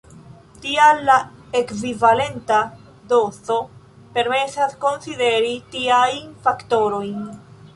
Tial la ekvivalenta dozo permesas konsideri tiajn faktorojn.